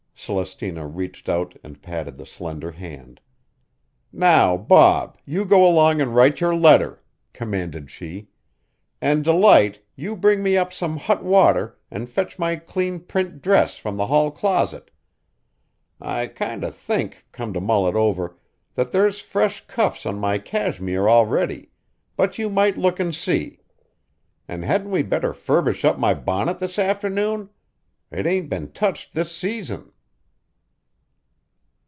Celestina reached out and patted the slender hand. "Now, Bob, you go along an' write your letter," commanded she. "An' Delight, you bring me up some hot water an' fetch my clean print dress from the hall closet. I kinder think, come to mull it over, that there's fresh cuffs on my cashmere already, but you might look an' see. An' hadn't we better furbish up my bonnet this afternoon? It ain't been touched this season."